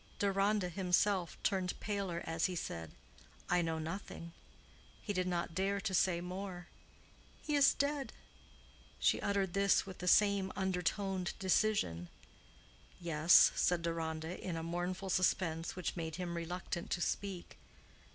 Deronda himself turned paler as he said, "I know nothing." He did not dare to say more. "He is dead." She uttered this with the same undertoned decision. "Yes," said Deronda, in a mournful suspense which made him reluctant to speak.